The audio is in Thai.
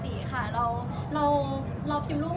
มันเกิดเรายาวอะ